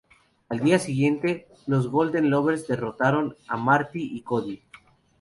Al día siguiente, los Golden Lovers derrotaron a Marty y Cody.